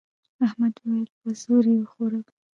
احمد وويل: په زور یې وخوره.